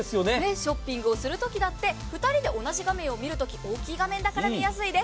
ショッピングをするときだって、２人で画面を見るとき大きいから見やすいです。